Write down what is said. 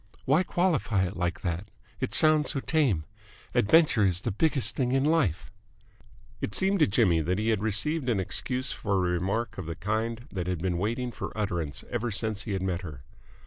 "Why qualify it like that? It sounds so tame. Adventure is the biggest thing in life." It seemed to Jimmy that he had received an excuse for a remark of a kind that had been waiting for utterance ever since he had met her.